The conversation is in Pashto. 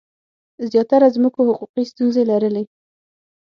زیاتره ځمکو حقوقي ستونزي لرلي.